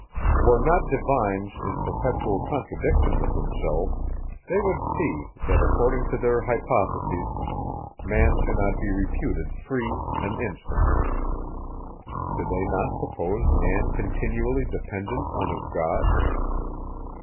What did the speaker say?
Were not divines in perpetual contradiction with themselves, they would see, that, according to their hypothesis, man cannot be reputed free an instant. Do they not suppose man continually dependent on his God?